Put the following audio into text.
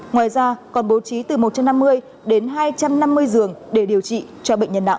ngoài ra còn bố trí từ một trăm năm mươi đến hai trăm năm mươi giường để điều trị cho bệnh nhân nặng